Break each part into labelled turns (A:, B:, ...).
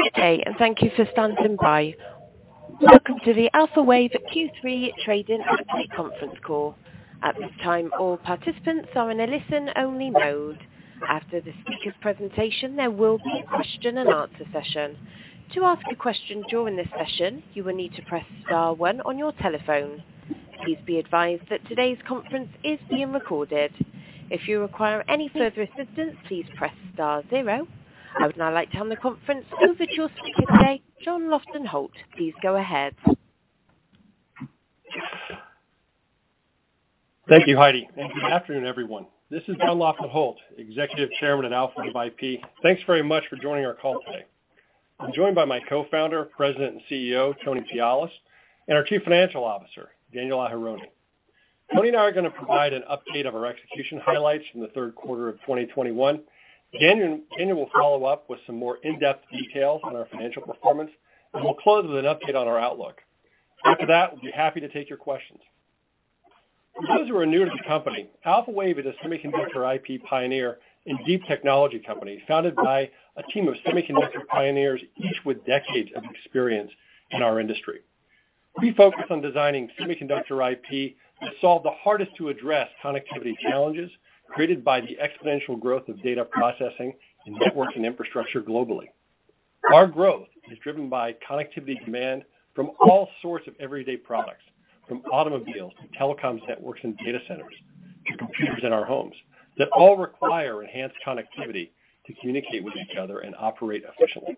A: Good day, and thank you for standing by. Welcome to the Alphawave Q3 trading update conference call. I would now like to hand the conference over to your speaker today, John Lofton Holt. Please go ahead.
B: Thank you, Heidi. Good afternoon, everyone. This is John Lofton-Holt, Executive Chairman at Alphawave IP. Thanks very much for joining our call today. I'm joined by my co-founder, President, and CEO, Tony Pialis, and our Chief Financial Officer, Daniel Aharoni. Tony and I are going to provide an update of our execution highlights from the third quarter of 2021. Daniel will follow up with some more in-depth details on our financial performance, and we'll close with an update on our outlook. After that, we'll be happy to take your questions. For those who are new to the company, Alphawave is a semiconductor IP pioneer and deep technology company founded by a team of semiconductor pioneers, each with decades of experience in our industry. We focus on designing semiconductor IP to solve the hardest to address connectivity challenges created by the exponential growth of data processing and networking infrastructure globally. Our growth is driven by connectivity demand from all sorts of everyday products, from automobiles to telecoms networks and data centers, to computers in our homes that all require enhanced connectivity to communicate with each other and operate efficiently.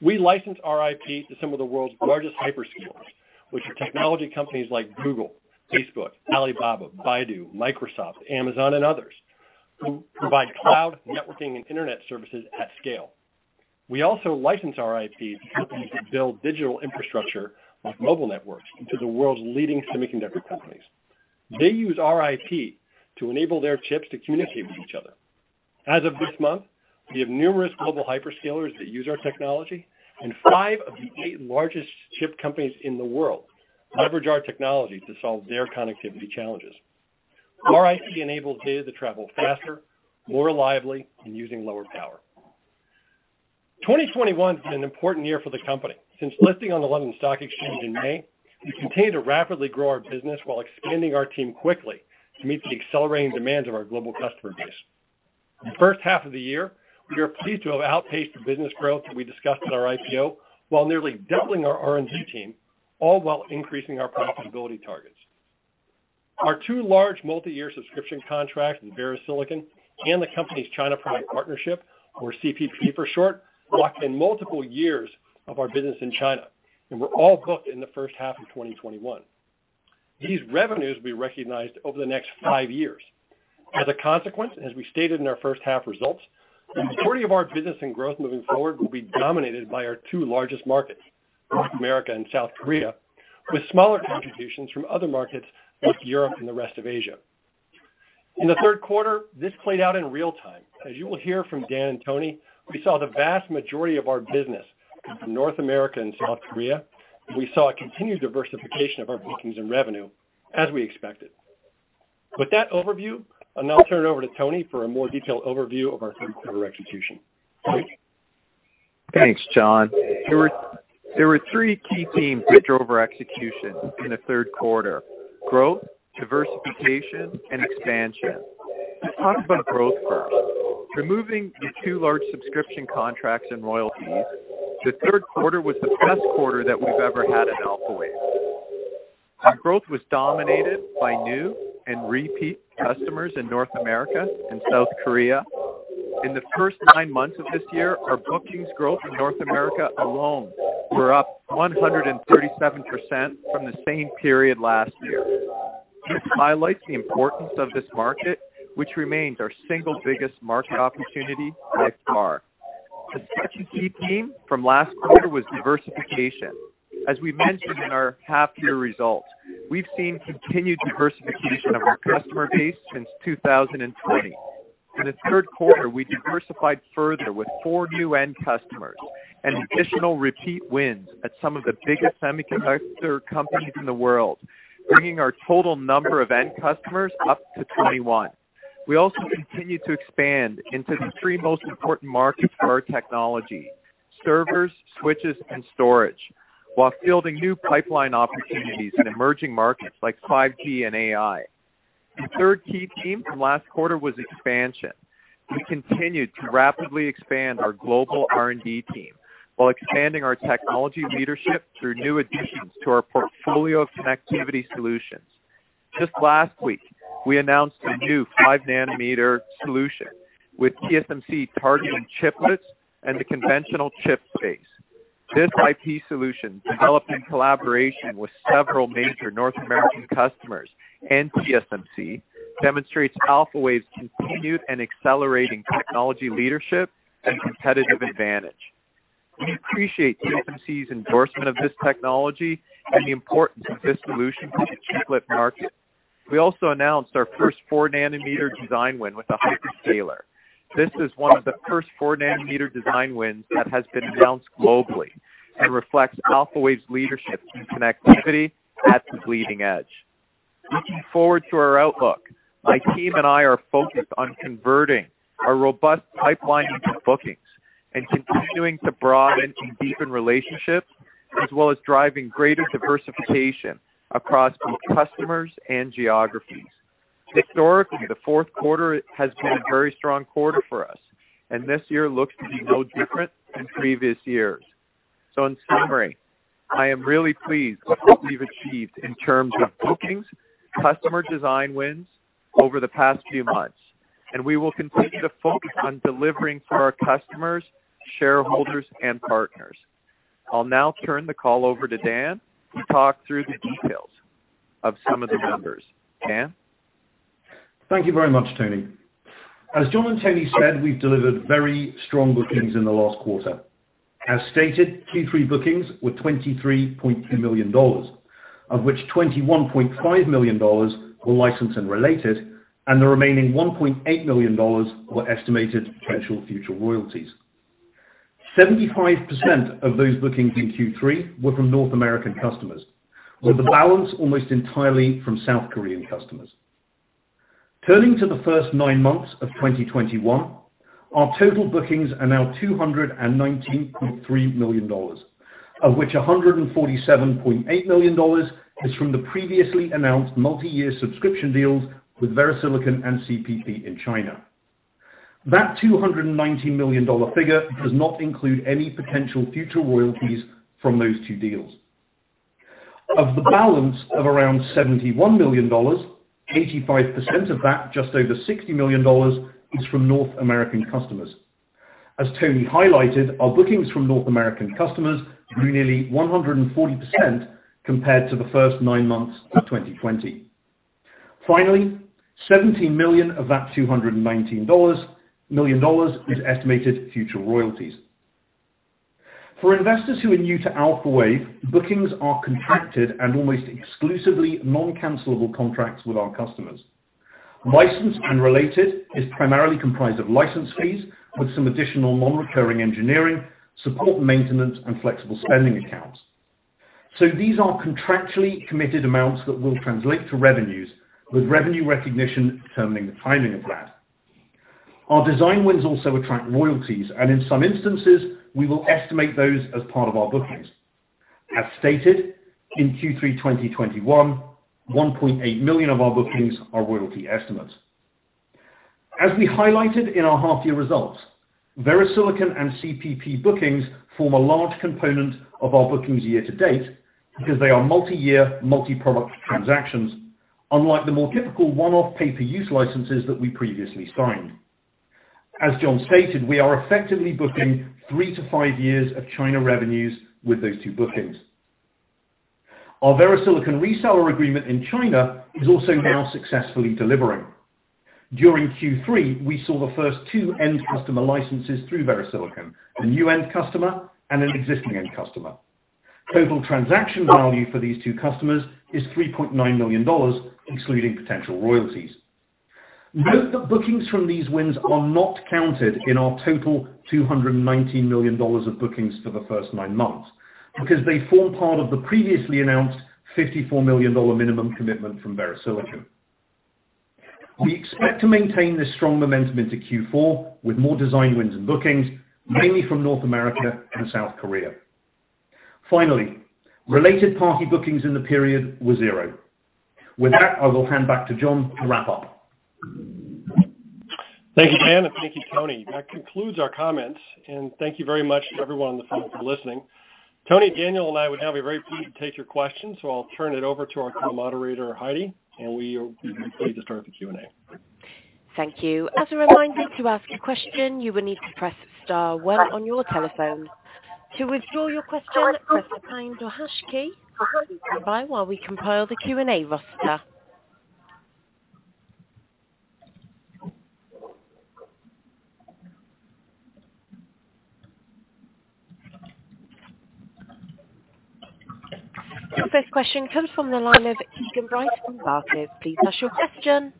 B: We license our IP to some of the world's largest hyperscalers, which are technology companies like Google, Facebook, Alibaba, Baidu, Microsoft, Amazon, and others, who provide cloud networking and Internet services at scale. We also license our IP to companies that build digital infrastructure like mobile networks to the world's leading semiconductor companies. They use our IP to enable their chips to communicate with each other. As of this month, we have numerous global hyperscalers that use our technology, and five of the eight largest chip companies in the world leverage our technology to solve their connectivity challenges. Our IP enables data to travel faster, more reliably, and using lower power. 2021 has been an important year for the company. Since listing on the London Stock Exchange in May, we've continued to rapidly grow our business while expanding our team quickly to meet the accelerating demands of our global customer base. In the first half of the year, we are pleased to have outpaced the business growth that we discussed in our IPO while nearly doubling our R&D team, all while increasing our profitability targets. Our two large multi-year subscription contracts with VeriSilicon and the company's China Private Partnership, or CPP for short, locked in multiple years of our business in China, and were all booked in the first half of 2021. These revenues will be recognized over the next five years. As a consequence, as we stated in our first half results, the majority of our business and growth moving forward will be dominated by our two largest markets, North America and South Korea, with smaller contributions from other markets like Europe and the rest of Asia. In the third quarter, this played out in real-time. As you will hear from Dan and Tony, we saw the vast majority of our business come from North America and South Korea. We saw a continued diversification of our bookings and revenue as we expected. With that overview, I'll now turn it over to Tony for a more detailed overview of our third quarter execution. Tony?
C: Thanks, John. There were three key themes that drove our execution in the third quarter: growth, diversification, and expansion. Let's talk about growth first. Removing the two large subscription contracts and royalties, the third quarter was the best quarter that we've ever had at Alphawave. Our growth was dominated by new and repeat customers in North America and South Korea. In the first nine months of this year, our bookings growth in North America alone were up 137% from the same period last year. This highlights the importance of this market, which remains our single biggest market opportunity by far. The second key theme from last quarter was diversification. As we mentioned in our half-year results, we've seen continued diversification of our customer base since 2020. In the third quarter, we diversified further with four new end customers and additional repeat wins at some of the biggest semiconductor companies in the world, bringing our total number of end customers up to 21. We also continued to expand into the three most important markets for our technology: servers, switches, and storage, while fielding new pipeline opportunities in emerging markets like 5G and AI. The third key theme from last quarter was expansion. We continued to rapidly expand our global R&D team while expanding our technology leadership through new additions to our portfolio of connectivity solutions. Just last week, we announced a new five-nanometer solution with TSMC targeting chiplets and the conventional chip space. This IP solution, developed in collaboration with several major North American customers and TSMC, demonstrates Alphawave's continued and accelerating technology leadership and competitive advantage. We appreciate TSMC's endorsement of this technology and the importance of this solution for the chiplet market. We also announced our first four-nanometer design win with a hyperscaler. This is one of the first four-nanometer design wins that has been announced globally and reflects Alphawave's leadership in connectivity at the bleeding edge. Looking forward to our outlook, my team and I are focused on converting our robust pipeline into bookings and continuing to broaden and deepen relationships, as well as driving greater diversification across both customers and geographies. Historically, the fourth quarter has been a very strong quarter for us, and this year looks to be no different than previous years. In summary, I am really pleased with what we've achieved in terms of bookings, customer design wins over the past few months, and we will continue to focus on delivering for our customers, shareholders, and partners. I'll now turn the call over to Daniel to talk through the details of some of the numbers. Daniel?
D: Thank you very much, Tony. As John and Tony said, we've delivered very strong bookings in the last quarter. As stated, Q3 bookings were $23.2 million, of which $21.5 million were license and related, and the remaining $1.8 million were estimated potential future royalties. 75% of those bookings in Q3 were from North American customers, with the balance almost entirely from South Korean customers. Turning to the first nine months of 2021, our total bookings are now $219.3 million, of which $147.8 million is from the previously announced multi-year subscription deals with VeriSilicon and CPP in China. That $219 million figure does not include any potential future royalties from those two deals. Of the balance of around $71 million, 85% of that, just over $60 million, is from North American customers. As Tony highlighted, our bookings from North American customers grew nearly 140% compared to the first nine months of 2020. $17 million of that $219 million is estimated future royalties. For investors who are new to Alphawave, bookings are contracted and almost exclusively non-cancelable contracts with our customers. Licensed and related is primarily comprised of license fees with some additional non-recurring engineering, support and maintenance, and flexible spending accounts. These are contractually committed amounts that will translate to revenues, with revenue recognition determining the timing of that. Our design wins also attract royalties, and in some instances, we will estimate those as part of our bookings. As stated, in Q3 2021, $1.8 million of our bookings are royalty estimates. As we highlighted in our half-year results, VeriSilicon and CPP bookings form a large component of our bookings year to date because they are multi-year, multi-product transactions, unlike the more typical one-off pay-per-use licenses that we previously signed. As John stated, we are effectively booking three to five years of China revenues with those two bookings. Our VeriSilicon reseller agreement in China is also now successfully delivering. During Q3, we saw the first two end customer licenses through VeriSilicon, a new end customer and an existing end customer. Total transaction value for these two customers is $3.9 million, excluding potential royalties. Note that bookings from these wins are not counted in our total $219 million of bookings for the first nine months because they form part of the previously announced $54 million minimum commitment from VeriSilicon. We expect to maintain this strong momentum into Q4 with more design wins and bookings, mainly from North America and South Korea. Finally, related party bookings in the period were 0. With that, I will hand back to John to wrap up.
B: Thank you, Dan, and thank you, Tony. That concludes our comments, and thank you very much to everyone on the phone for listening. Tony, Daniel, and I would now be very pleased to take your questions, so I'll turn it over to our call moderator, Heidi, and we are pleased to start the Q&A.
A: Thank you. As a reminder, to ask a question, you will need to press star one on your telephone. To withdraw your question, press the pound or hash key. Please standby while we compile the Q&A roster. The first question comes from the line of Keegan Bright from Barclays. Please ask your question.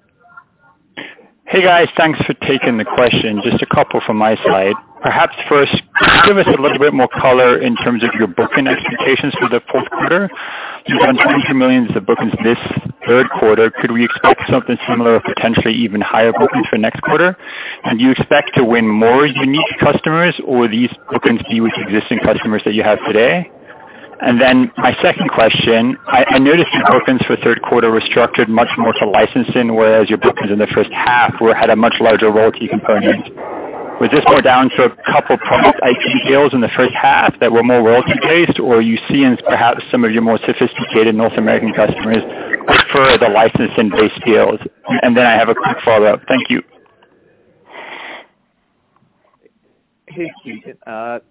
E: Hey, guys. Thanks for taking the question. Just a couple from my side. Perhaps first, can you give us a little bit more color in terms of your booking expectations for the fourth quarter? You had $22 million of bookings this third quarter. Could we expect something similar or potentially even higher bookings for next quarter? Do you expect to win more unique customers, or these bookings be with existing customers that you have today? My second question, I noticed your bookings for third quarter were structured much more to licensing, whereas your bookings in the first half had a much larger royalty component. Was this more down to a couple of product IP deals in the first half that were more royalty based, or you're seeing perhaps some of your more sophisticated North American customers prefer the licensing-based deals? I have a quick follow-up. Thank you.
C: Hey, Keegan.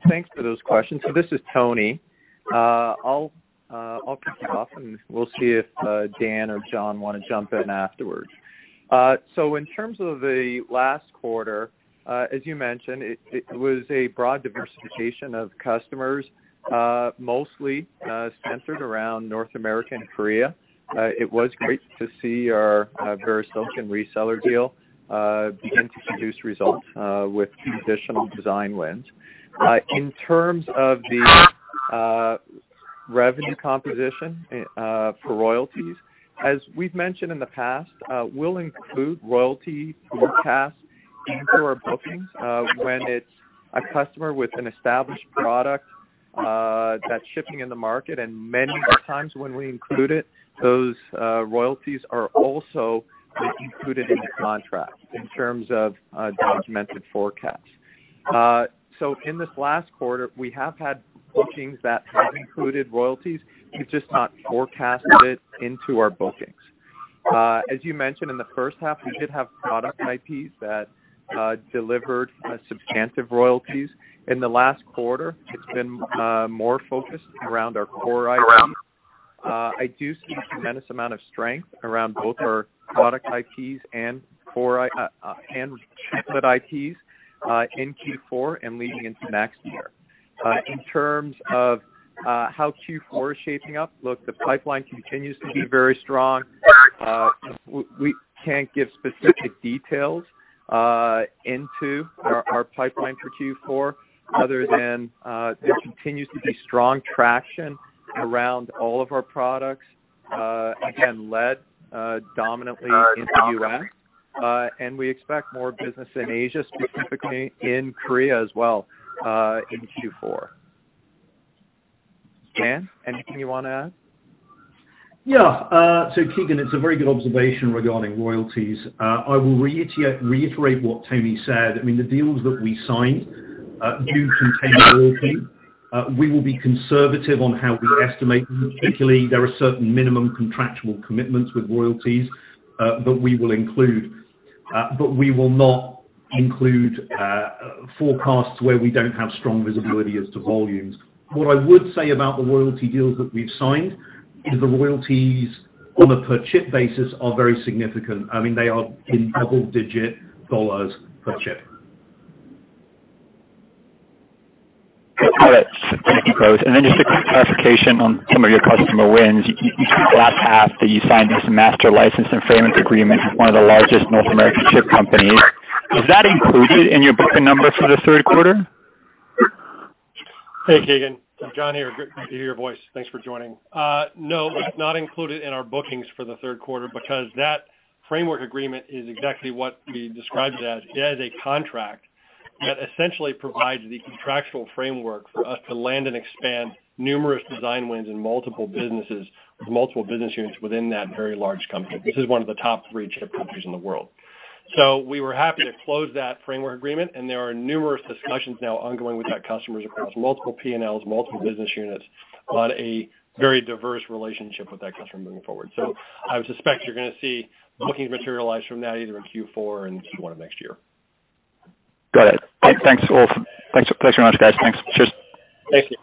C: Thanks for those questions. This is Tony. I'll kick it off, and we'll see if Dan or John want to jump in afterwards. In terms of the last quarter, as you mentioned, it was a broad diversification of customers, mostly centered around North America and Korea. It was great to see our VeriSilicon reseller deal begin to produce results with two additional design wins. In terms of the revenue composition for royalties. As we've mentioned in the past, we'll include royalty forecasts into our bookings when it's a customer with an established product that's shipping in the market. Many of the times when we include it, those royalties are also included in the contract in terms of documented forecasts. In this last quarter, we have had bookings that have included royalties. We've just not forecasted it into our bookings. As you mentioned, in the first half, we did have product IPs that delivered substantive royalties. In the last quarter, it's been more focused around our core IPs. I do see a tremendous amount of strength around both our product IPs and chiplet IPs in Q4 and leading into next year. In terms of how Q4 is shaping up, look, the pipeline continues to be very strong. We can't give specific details into our pipeline for Q4 other than there continues to be strong traction around all of our products, again, led dominantly in the U.S., and we expect more business in Asia, specifically in Korea as well, in Q4. Daniel, anything you want to add?
D: Yeah. Keegan, it's a very good observation regarding royalties. I will reiterate what Tony said. I mean, the deals that we sign do contain royalty. We will be conservative on how we estimate them, particularly there are certain minimum contractual commitments with royalties, but we will not include forecasts where we don't have strong visibility as to volumes. What I would say about the royalty deals that we've signed is the royalties on a per chip basis are very significant. I mean, they are in double-digit dollars per chip.
E: Got it. Thank you both. Just a quick clarification on some of your customer wins. You said last half that you signed this master license and framework agreement with one of the largest North American chip companies. Is that included in your booking numbers for this third quarter?
B: Hey, Keegan. John here. Great to hear your voice. Thanks for joining. No, it's not included in our bookings for the third quarter because that framework agreement is exactly what we described it as. It is a contract that essentially provides the contractual framework for us to land and expand numerous design wins in multiple businesses with multiple business units within that very large company. This is one of the top three chip companies in the world. We were happy to close that framework agreement, and there are numerous discussions now ongoing with that customer across multiple P&Ls, multiple business units, on a very diverse relationship with that customer moving forward. I would suspect you're going to see bookings materialize from that either in Q4 or in Q1 of next year.
E: Got it. Thanks all. Thanks very much, guys. Thanks. Cheers.
B: Thank you.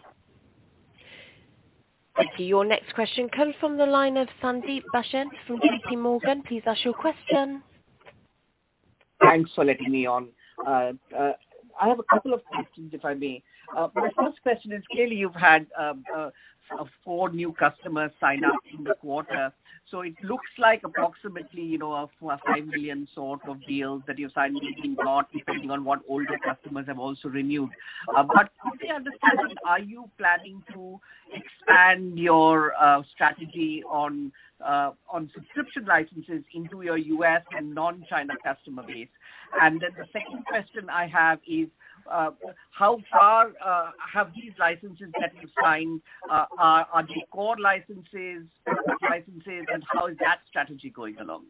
A: Thank you. Your next question comes from the line of Sandeep Deshpande from Morgan Stanley. Please ask your question.
F: Thanks for letting me on. I have a couple of questions, if I may. The first question is, clearly, you've had four new customers sign up in the quarter. It looks like approximately a $4 million or $5 million sort of deals that you signed in Q3, depending on what older customers have also renewed. Could we understand, are you planning to expand your strategy on subscription licenses into your U.S. and non-China customer base? The second question I have is, how far have these licenses that you signed, are they core licenses, up-front licenses, and how is that strategy going along?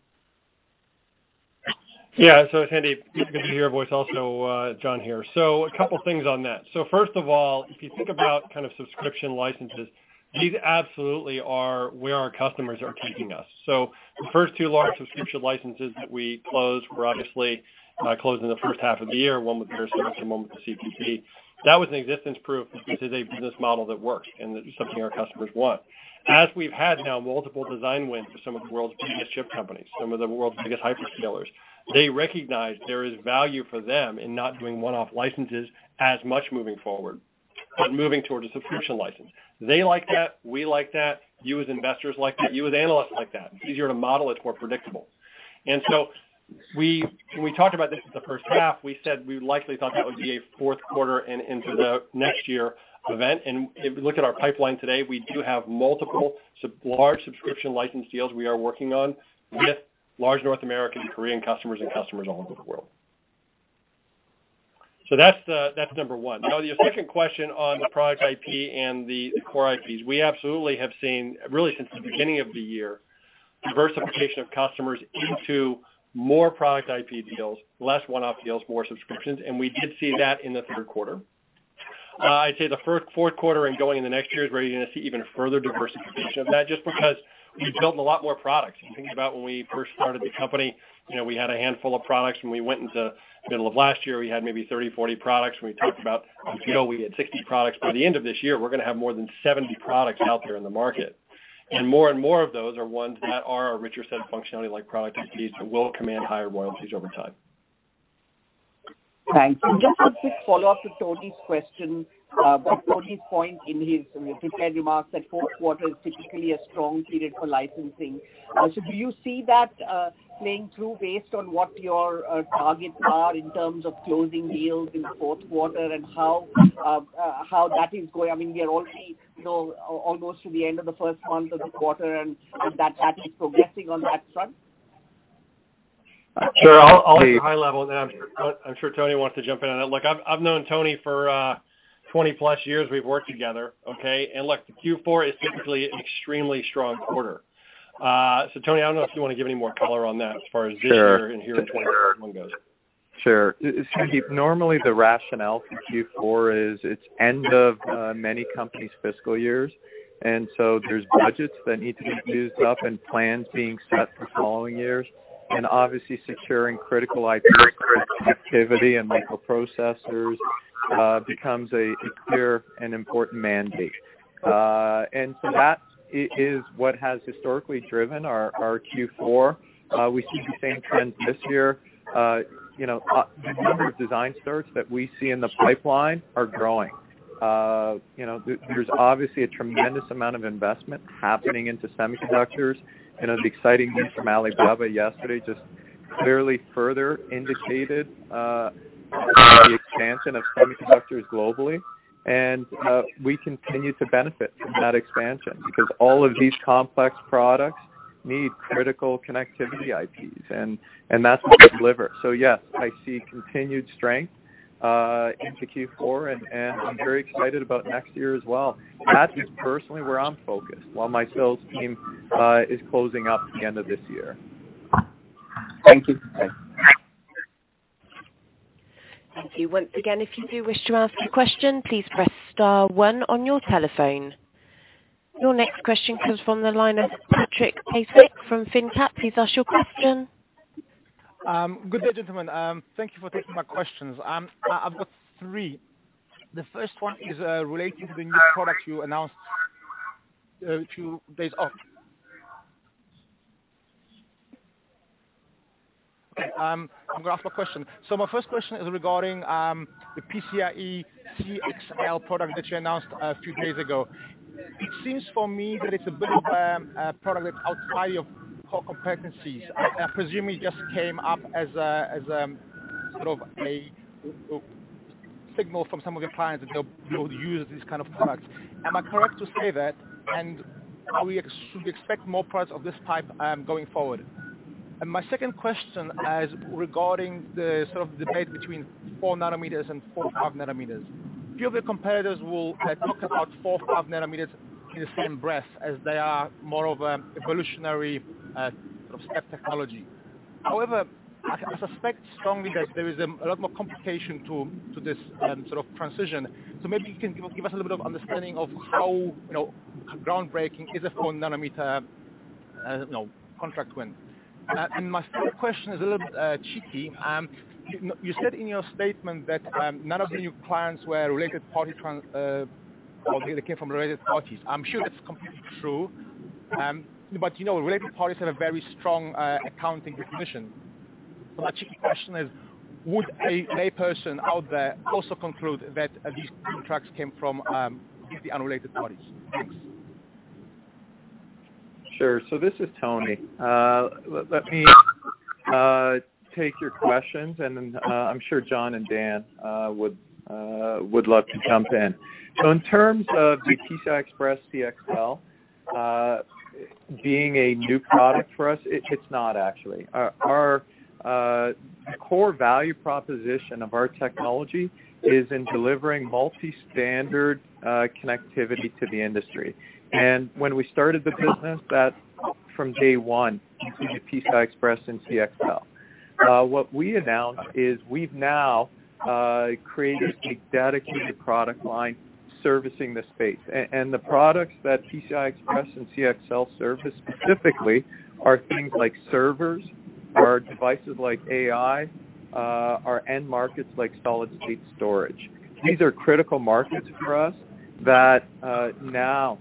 B: Yeah. Sandeep, good to hear your voice also. John here. A couple of things on that. First of all, if you think about kind of subscription licenses, these absolutely are where our customers are taking us. The first two large subscription licenses that we closed were obviously closed in the first half of the year, one with Vista and one with the CPP. That was an existence proof that this is a business model that works and that it's something our customers want. As we've had now multiple design wins for some of the world's biggest chip companies, some of the world's biggest hyperscalers, they recognize there is value for them in not doing one-off licenses as much moving forward, but moving towards a subscription license. They like that. We like that. You as investors like that. You as analysts like that. It's easier to model, it's more predictable. When we talked about this at the first half, we said we likely thought that would be a fourth quarter and into the next year event. If we look at our pipeline today, we do have multiple large subscription license deals we are working on with large North American, Korean customers, and customers all over the world. That's number one. The second question on the product IP and the core IPs, we absolutely have seen, really since the beginning of the year, diversification of customers into more product IP deals, less one-off deals, more subscriptions, and we did see that in the third quarter. I'd say the fourth quarter and going into next year is where you're going to see even further diversification of that, just because we've built a lot more products. If you think about when we first started the company, we had a handful of products. When we went into the middle of last year, we had maybe 30, 40 products. When we talked about, we had 60 products. By the end of this year, we're going to have more than 70 products out there in the market. More and more of those are ones that are our richer set of functionality like product IPs that will command higher royalties over time.
F: Thanks. Just a quick follow-up to Tony's question, about Tony's point in his prepared remarks that fourth quarter is typically a strong period for licensing. Do you see that playing through based on what your targets are in terms of closing deals in the fourth quarter, and how that is going? We are already almost to the end of the first month of the quarter, and how that is progressing on that front?
B: Sure. I'll lead high level, and then I'm sure Tony wants to jump in on it. Look, I've known Tony for 20-plus years we've worked together. Okay? Look, the Q4 is typically an extremely strong quarter. Tony, I don't know if you want to give any more color on that as far as this year and here in 2021 goes.
C: Sure. Normally the rationale for Q4 is it's end of many companies' fiscal years, there's budgets that need to be used up and plans being set for following years. Obviously securing critical IP connectivity and microprocessors becomes a clear and important mandate. That is what has historically driven our Q4. We see the same trend this year. The number of design starts that we see in the pipeline are growing. There's obviously a tremendous amount of investment happening into semiconductors, and the exciting news from Alibaba yesterday just clearly further indicated the expansion of semiconductors globally. We continue to benefit from that expansion because all of these complex products need critical connectivity IPs, and that's what we deliver. Yes, I see continued strength into Q4, and I'm very excited about next year as well. That is personally where I'm focused while my sales team is closing up the end of this year.
F: Thank you.
C: Thanks.
A: Thank you. Once again, if you do wish to ask a question, please press star one on your telephone. Your next question comes from the line of Patrick Basiewicz from finnCap.
G: Good day, gentlemen. Thank you for taking my questions. I've got three. The first one is related to the new product you announced a few days ago. Okay. I'm going to ask my question. My first question is regarding the PCIe CXL product that you announced a few days ago. It seems for me that it's a bit of a product that's outside your core competencies. I presume it just came up as sort of a signal from some of your clients that they'll use these kind of products. Am I correct to say that? Should we expect more products of this type going forward? My second question is regarding the sort of debate between four nanometer and four or five nanometer. Few of your competitors will talk about four nanometer or five nanometer in the same breath as they are more of a evolutionary sort of step technology. I suspect strongly that there is a lot more complication to this sort of transition. Maybe you can give us a little bit of understanding of how groundbreaking is a four nanometer contract win. My third question is a little bit cheeky. You said in your statement that none of the new clients were related party or they came from related parties. I'm sure that's completely true. Related parties have a very strong accounting recognition. My cheeky question is, would a layperson out there also conclude that these two contracts came from the unrelated parties? Thanks.
C: Sure. This is Tony. Let me take your questions and then I'm sure John and Dan would love to jump in. In terms of the PCI Express CXL being a new product for us, it's not actually. Our core value proposition of our technology is in delivering multi-standard connectivity to the industry. When we started the business that from day one included PCI Express and CXL. What we announced is we've now created a dedicated product line servicing the space. The products that PCI Express and CXL service specifically are things like servers, or devices like AI, or end markets like solid state storage. These are critical markets for us that now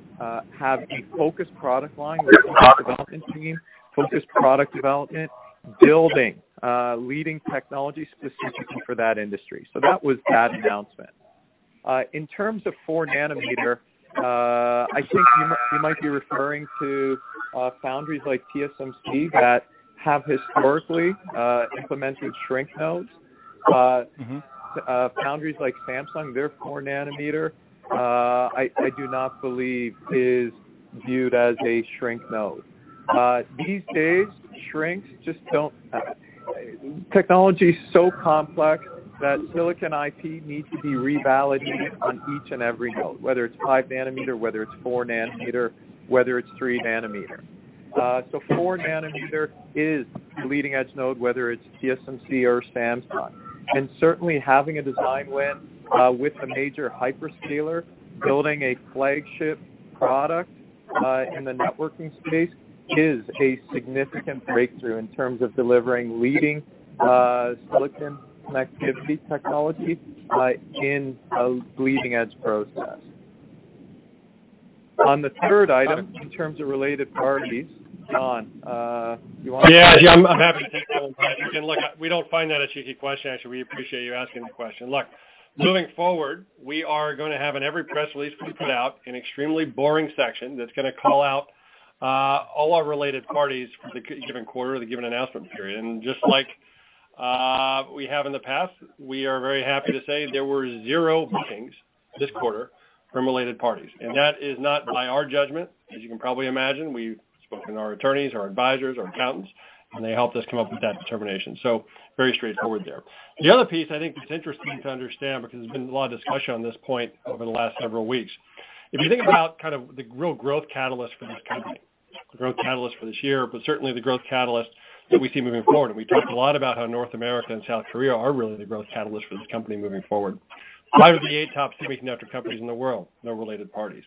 C: have a focused product line with a focused development team, focused product development, building leading technology specifically for that industry. That was that announcement. In terms of four nanometer, I think you might be referring to foundries like TSMC that have historically implemented shrink nodes. Foundries like Samsung, their four-nanometer, I do not believe is viewed as a shrink node. These days, Technology is so complex that silicon IP needs to be revalidated on each and every node, whether it's five-nanometer, whether it's four-nanometer, whether it's three-nanometer. Four-nanometer is a leading-edge node, whether it's TSMC or Samsung. Certainly having a design win with a major hyperscaler building a flagship product in the networking space is a significant breakthrough in terms of delivering leading silicon connectivity technology in a leading-edge process. On the third item, in terms of related parties, John, you want to.
B: Yeah, Jim, I'm happy to take that one. We don't find that a cheeky question, actually. We appreciate you asking the question. Look, moving forward, we are going to have in every press release we put out an extremely boring section that's going to call out all our related parties for the given quarter or the given announcement period. Just like we have in the past, we are very happy to say there were zero bookings this quarter from related parties. That is not by our judgment, as you can probably imagine. We've spoken to our attorneys, our advisors, our accountants, and they helped us come up with that determination. Very straightforward there. The other piece I think that's interesting to understand, because there's been a lot of discussion on this point over the last several weeks. If you think about kind of the real growth catalyst for this company, the growth catalyst for this year, but certainly the growth catalyst that we see moving forward, we talked a lot about how North America and South Korea are really the growth catalyst for this company moving forward. five of the eight top semiconductor companies in the world, no related parties.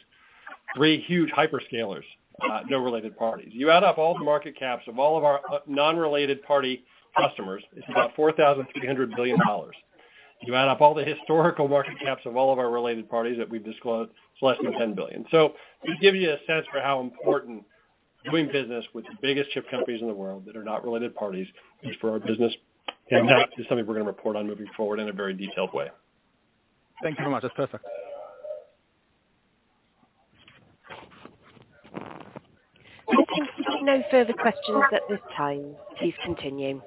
B: Three huge hyperscalers, no related parties. You add up all the market caps of all of our non-related party customers, it's about $4,300 billion. You add up all the historical market caps of all of our related parties that we've disclosed, it's less than $10 billion. To give you a sense for how important doing business with the biggest chip companies in the world that are not related parties is for our business, and that is something we're going to report on moving forward in a very detailed way.
G: Thank you very much. That's perfect.
A: There seems to be no further questions at this time. Please continue.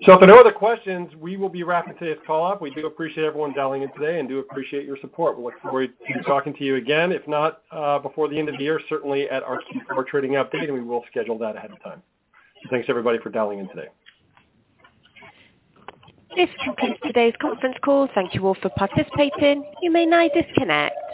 B: If there are no other questions, we will be wrapping today's call up. We do appreciate everyone dialing in today and do appreciate your support. We look forward to talking to you again, if not before the end of the year, certainly at our Q4 trading update, and we will schedule that ahead of time. Thanks everybody for dialing in today.
A: This concludes today's conference call. Thank you all for participating. You may now disconnect.